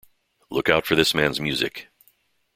Look out for this man's music'.